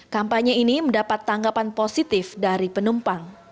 kampanye ini mendapat tanggapan positif dari penumpang